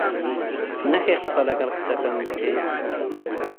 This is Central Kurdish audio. نەکەی قسە لەگەڵ کچەکەم بکەی.